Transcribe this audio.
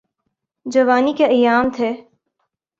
جوانی کے ایام تھے۔